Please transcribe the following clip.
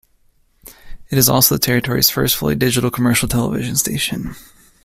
It is also the territory's first fully digital commercial television station.